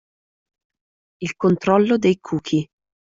Il controllo dei cookie